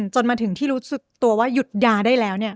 จนมาถึงที่รู้สึกตัวว่าหยุดยาได้แล้ว